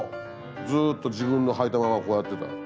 ずっと自分のはいたままこうやってた。